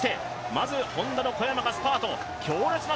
まず、Ｈｏｎｄａの小山がスパート。